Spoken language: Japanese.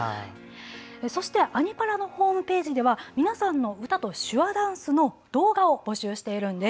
そして「アニ×パラ」のホームページでは皆さんの歌と手話ダンスの動画を募集しているんです。